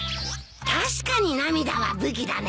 確かに涙は武器だね。